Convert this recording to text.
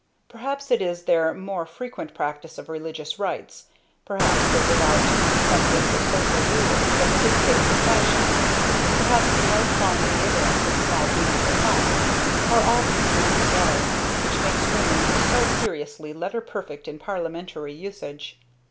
Perhaps it is their more frequent practice of religious rites, perhaps their devout acceptance of social rulings and the dictates of fashion, perhaps the lifelong reiterance of small duties at home, or all these things together, which makes women so seriously letter perfect in parliamentry usage.